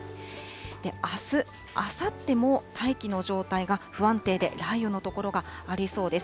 あす、あさっても、大気の状態が不安定で、雷雨の所がありそうです。